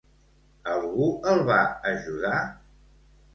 Algú el va ajudar?